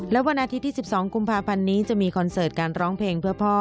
และวันอาทิตย์ที่๑๒กุมภาพันธ์นี้จะมีคอนเสิร์ตการร้องเพลงเพื่อพ่อ